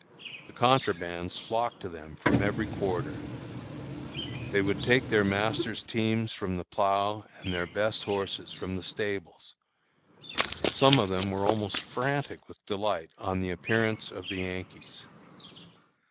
The contrabands flocked to them from every quarter. They would take their masters' teams from the plough and their best horses from the stables. Some of them were almost frantic with delight on the appearance of the Yankees.